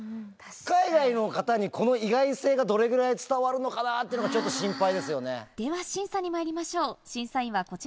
海外の方にこの意外性がどれぐらい伝わるのかなっていうのがちょでは、審査にまいりましょう。